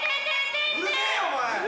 うるせぇよお前！